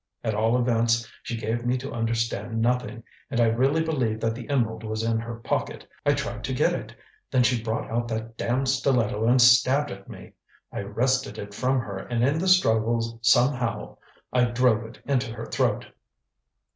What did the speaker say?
At all events, she gave me to understand nothing, and I really believed that the emerald was in her pocket. I tried to get it; then she brought out that damned stiletto and stabbed at me. I wrested it from her and in the struggle somehow I drove it into her throat."